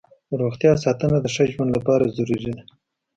د روغتیا ساتنه د ښه ژوند لپاره ضروري ده.